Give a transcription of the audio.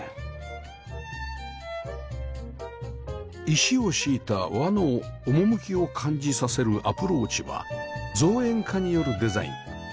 石を敷いた和の趣を感じさせるアプローチは造園家によるデザイン